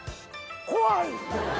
怖い！